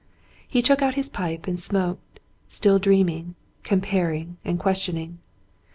He took out his pipe and smoked, still dreaming, com paring, and questioning.